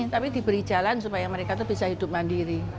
tapi diberi jalan supaya mereka itu bisa hidup mandiri